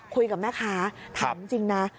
คุยกับแม่ค้าถามจริงนะ